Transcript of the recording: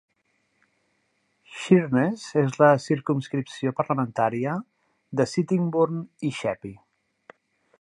Sheerness és la circumscripció parlamentària de Sittingbourne i Sheppey.